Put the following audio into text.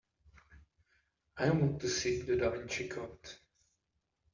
I want to see The Da Vinci Code